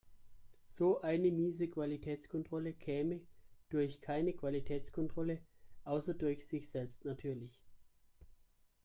So eine miese Qualitätskontrolle käme durch keine Qualitätskontrolle, außer durch sich selbst natürlich.